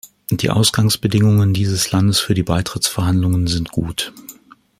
Die Ausgangsbedingungen dieses Landes für die Beitrittsverhandlungen sind gut.